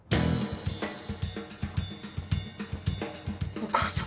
お母さん！